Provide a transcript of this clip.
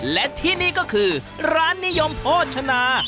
และที่นี่ก็คือร้านนิยมโภชนา